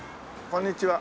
こんにちは。